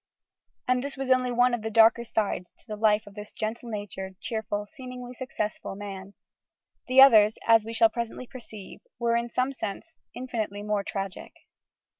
And this was only one of the darker sides to the life of this gentle natured, cheerful, seemingly successful man. The others, as we shall presently perceive, were, in some sense, infinitely more tragic.